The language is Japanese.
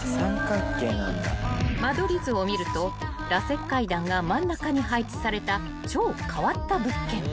［間取り図を見るとらせん階段が真ん中に配置された超変わった物件］